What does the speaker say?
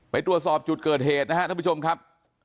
ไปตรวจสอบจุดเกิดเหตุนะครับท่านผู้ชมครับ